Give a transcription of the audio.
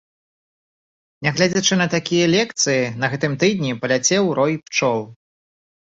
Нягледзячы на такія лекцыі, на гэтым тыдні паляцеў рой пчол.